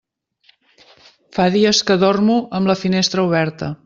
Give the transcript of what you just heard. Fa dies que dormo amb la finestra oberta.